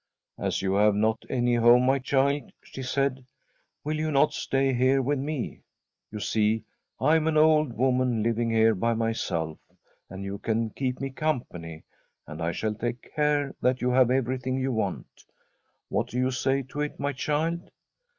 ' As you have not any home, my child,' she said, * will you not stay here with me ? You see, I am an old woman living here by myself, and you can keep me company, and I shall take care that you have everything you want. What do you say to it, my child